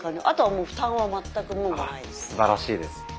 あとはもう負担は全くももないです。